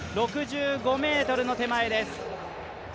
６５ｍの手前です。